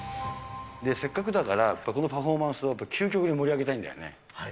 せっかくだから、このパフォーマンスを究極に盛り上げたいんだよね。